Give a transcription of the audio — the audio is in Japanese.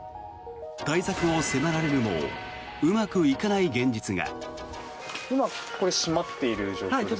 対策を迫られるもうまくいかない現実が。